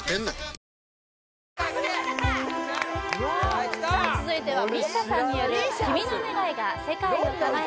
・はいきた続いてはＭＩＳＩＡさんによる「君の願いが世界を輝かす」